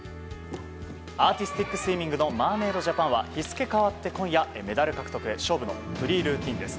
アーティスティックスイミングのマーメイドジャパンは日付変わって今夜メダル獲得へ勝負のフリールーティンです。